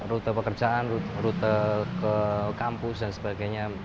rute pekerjaan rute ke kampus dan sebagainya